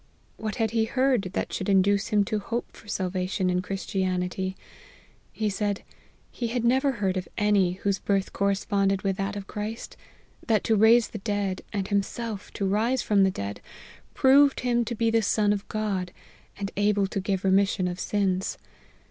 What had he heard, that should induce him to hope for salva tion in Christianity ?. He said, 4 He had never heard of any whose birth corresponded with that of Christ; that to raise the dead, and himself to rise from the dead, proved him to be the Son of God, and able to give remission of sins.